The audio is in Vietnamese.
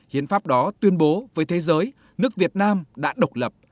hiến pháp đó tuyên bố với thế giới nước việt nam đã độc lập